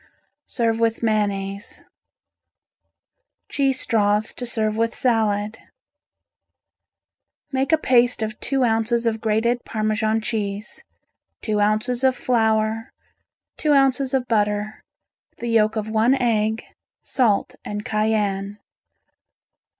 Serve with mayonnaise. Cheese Straws to Serve with Salad Make a paste of two ounces of grated Parmesan cheese, two ounces of flour, two ounces of butter, the yolk of one egg, salt and cayenne.